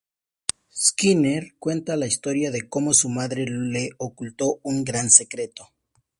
Skinner cuenta la historia de cómo su madre le ocultó un gran secreto.